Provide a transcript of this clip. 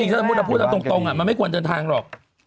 เอาจริงถ้าพูดเอาตรงอะมันไม่ควรเดินทางหรอก